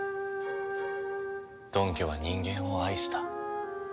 ドン家は人間を愛した。